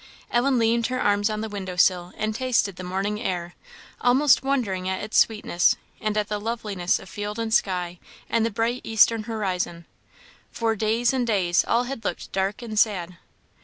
Ellen leaned her arms on the window sill, and tasted the morning air; almost wondering at its sweetness, and at the loveliness of field and sky, and the bright eastern horizon. For days and days all had looked dark and sad.